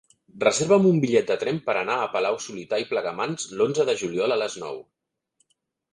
Reserva'm un bitllet de tren per anar a Palau-solità i Plegamans l'onze de juliol a les nou.